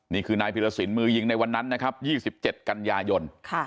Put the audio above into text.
นี่คือนายพีรสินมือยิงในวันนั้นนะครับยี่สิบเจ็ดกันยายนค่ะ